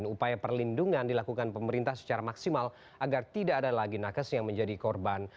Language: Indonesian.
upaya perlindungan dilakukan pemerintah secara maksimal agar tidak ada lagi nakes yang menjadi korban